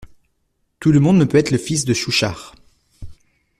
Tout le monde ne peut être le fils à Chauchard.